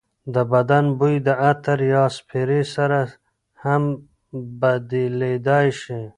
د بدن بوی د عطر یا سپرې سره هم بدلېدای شي.